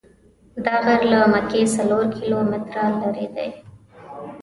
دا غر له مکې څلور کیلومتره لرې دی.